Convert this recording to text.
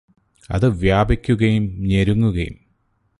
അത് വ്യാപിക്കുകയും ഞെരുങ്ങുകയും